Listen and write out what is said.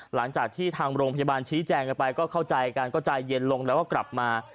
หลังจากที่ทางโรงพยาบาลชี้แจงกันไปก็เข้าใจกันก็ใจเย็นลงแล้วก็กลับมา